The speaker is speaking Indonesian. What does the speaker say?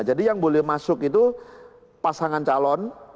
jadi yang boleh masuk itu pasangan calon